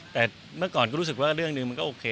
แต่เมื่อก่อนก็รู้สึกว่าเรื่องหนึ่งมันก็โอเค